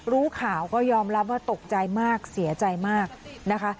รู้ข่าวก็ยอมรับว่าตกใจมากเสียใจมากนะคะ